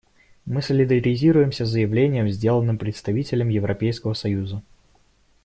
Мы солидаризируемся с заявлением, сделанным представителем Европейского союза.